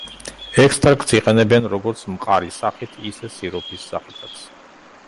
ექსტრაქტს იყენებენ როგორც მყარი სახით, ისე სიროფის სახითაც.